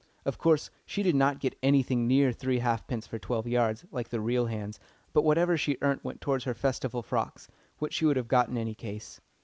Of course she did not get anything near three halfpence for twelve yards, like the real "hands," but whatever she earnt went towards her Festival frocks, which she would have got in any case.